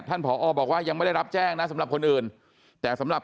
ผอบอกว่ายังไม่ได้รับแจ้งนะสำหรับคนอื่นแต่สำหรับ